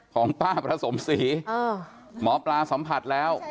ของป้าประสมศรีหมอปลาสัมผัสแล้ว